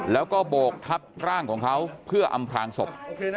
แล้วก็โบกทับร่างของเขาเพื่ออำพลางศพ